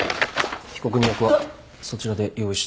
被告人役はそちらで用意してください。